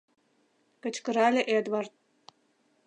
— кычкырале Эдвард.